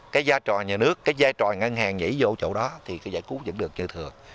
cái gia trò nhà nước cái gia trò ngân hàng nhảy vô chỗ đó thì cái giải cứu vẫn được như thường